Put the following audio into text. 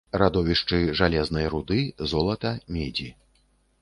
Радовішчы жалезнай руды, золата, медзі.